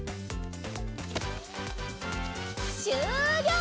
しゅうりょう！